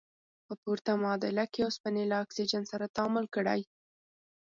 په پورته معادله کې اوسپنې له اکسیجن سره تعامل کړی.